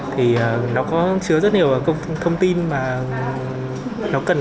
thì nó có chứa rất nhiều thông tin mà nó cần sự bí mật